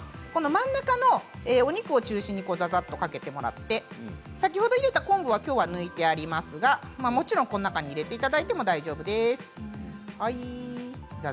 真ん中の肉を中心にざざっとかけていただいて先ほど入れた昆布を抜いてありますがもちろんこの中に入れていただいても大丈夫です。